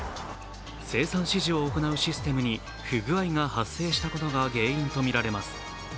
生産指示を行うシステムに不具合が発生したことが原因とみられます。